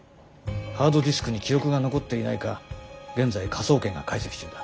ハードディスクに記録が残っていないか現在科捜研が解析中だ。